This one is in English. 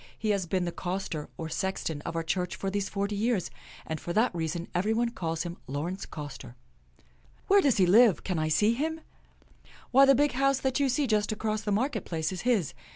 " He has been the coster, or sexton, of our church for these forty years, and for that reason everybody calls him Laurence Coster." " Where does he live .? Can I see him .?" THE FIRST PRINTER 43 " Why, the big house that you see just across the market place is his.